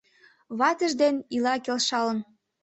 Ватыж ден ила келшалын.